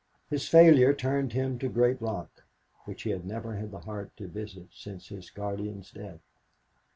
His failure turned him to Great Rock, which he had never had the heart to visit since his guardian's death.